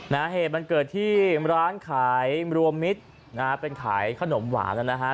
เหตุมันเกิดที่ร้านขายรวมมิตรนะฮะเป็นขายขนมหวานนะฮะ